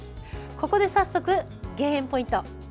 ここで早速、減塩ポイント。